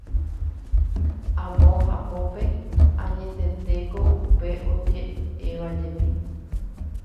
Amo hapópe añetetéko upe oje'évajepi